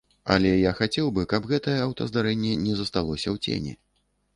Але я хацеў бы, каб гэтае аўтаздарэнне не засталося ў цені.